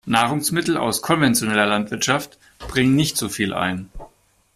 Nahrungsmittel aus konventioneller Landwirtschaft bringen nicht so viel ein.